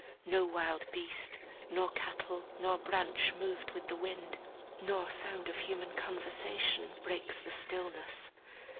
No wild beast, nor cattle, nor branch moved with the wind, nor sound of human conversation, breaks the stillness.